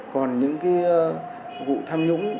còn những vụ tham nhũng